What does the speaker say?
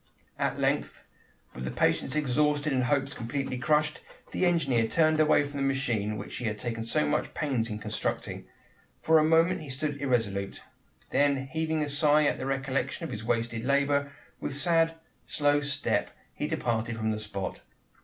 At length, with patience exhausted and hopes completely crushed, the engineer turned away from the machine which he had taken so much pains in constructing. For a moment he stood irresolute. Then heaving a sigh at the recollection of his wasted labour, with sad, slow step he departed from the spot.